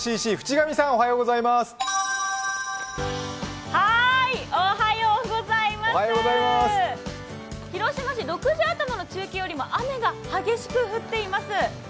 はーい、広島市６時頭の中継よりも雨が激しく降っています。